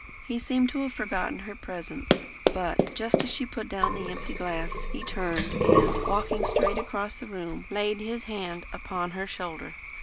He seemed to have forgotten her presence; but, just as she put down the empty glass, he turned and, walking straight across the room, laid his hand upon her shoulder.